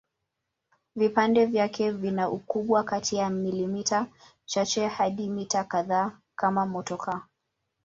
Vipande vyake vina ukubwa kati ya milimita chache hadi mita kadhaa kama motokaa.